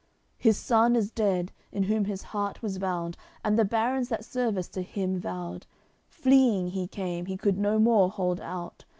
His son is dead, in whom his heart was bound, And the barons that service to him vowed; Fleeing he came, he could no more hold out.